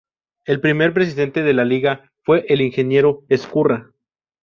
El primer presidente de la Liga fue el ingeniero Ezcurra..